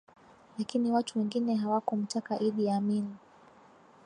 lakini watu wengine hawakumtaka Idi Amin